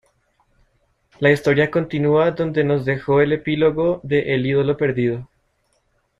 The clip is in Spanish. La historia continua donde nos dejo el epílogo de El ídolo perdido.